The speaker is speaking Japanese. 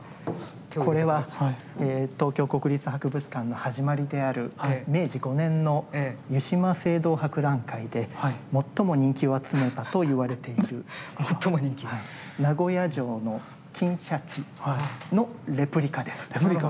これは東京国立博物館の始まりである明治５年の湯島聖堂博覧会で最も人気を集めたといわれている名古屋城の金鯱のレプリカです。